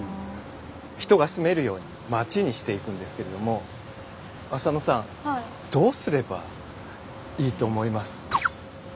人が住めるように町にしていくんですけれども浅野さんどうすればいいと思います？